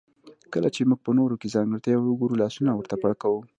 کله چې موږ په نورو کې ځانګړتياوې وګورو لاسونه ورته پړکوو.